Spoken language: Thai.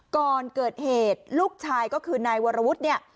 ก่อนเกิดเหตุลูกชายก็คือนายวรวุฒิเนี่ย